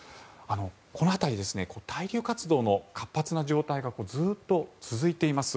この辺り対流活動の活発な状態がずっと続いています。